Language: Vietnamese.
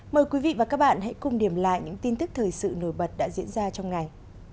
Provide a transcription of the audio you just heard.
mời quý vị và các bạn hãy cùng điểm lại những tin tức thời sự nổi bật đã diễn ra trong ngày